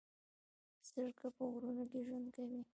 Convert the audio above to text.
زرکه په غرونو کې ژوند کوي